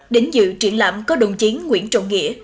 đến dự triển lãm có đồng chiến nguyễn trọng nghĩa